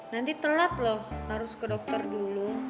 nanti telat loh harus ke dokter dulu